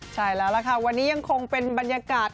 ใช่แล้วล่ะค่ะวันนี้ยังคงเป็นบรรยากาศ